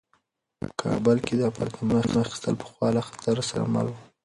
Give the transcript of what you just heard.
په کابل کې د اپارتمانونو اخیستل پخوا له خطر سره مل وو.